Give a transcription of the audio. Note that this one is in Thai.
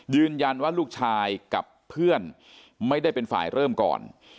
ยืนยันว่าลูกชายกับเพื่อนไม่ได้เป็นฝ่ายเริ่มก่อน